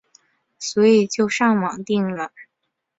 所以就上网订了